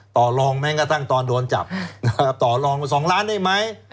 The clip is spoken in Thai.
ต่อรองแม้งกระทั่งตอนโดนจับต่อลอง๒ล้านได้ไหม